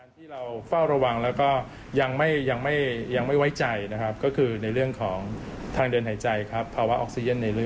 ที่เราเฝ้าระวังแล้วก็ยังไม่ยังไม่ไว้ใจนะครับก็คือในเรื่องของทางเดินหายใจครับภาวะออกซีเย็นในเรื่อ